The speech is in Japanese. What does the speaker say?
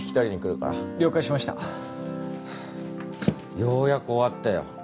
ようやく終わったよ。